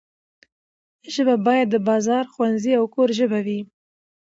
ژبه باید د بازار، ښوونځي او کور ژبه وي.